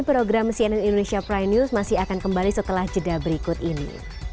program cnn indonesia prime news masih akan kembali setelah jeda berikut ini